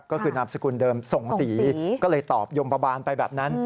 ก็คือนามสกุลเดิมส่งสีก็เลยตอบยมบาบาลไปแบบนั้น